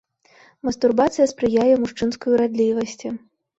Мастурбацыя спрыяе мужчынскай урадлівасці.